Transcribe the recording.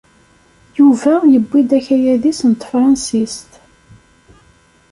Yuba yewwi-d akayad-is n tefṛansit.